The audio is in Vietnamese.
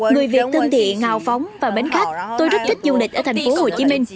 người việt thân thị ngào phóng và bến khách tôi rất thích du lịch ở thành phố hồ chí minh